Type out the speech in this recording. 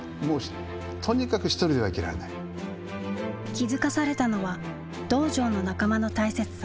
気付かされたのは道場の仲間の大切さ。